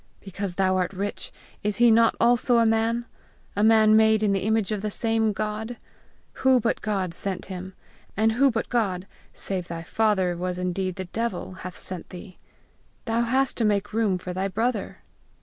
Because thou art rich, is he not also a man? a man made in the image of the same God? Who but God sent him? And who but God, save thy father was indeed the devil, hath sent thee? Thou hast to make room for thy brother!